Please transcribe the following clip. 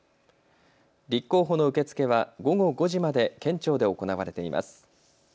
立候補の受け付けは午後５時まで県庁で行われています。